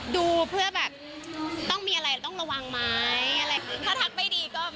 ดูเพื่อแบบต้องมีอะไรต้องระวังไหม